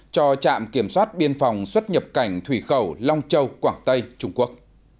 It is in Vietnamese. cho trạm kiểm soát biên phòng xuất nhập cảnh thủy khẩu long châu quảng tây trung quốc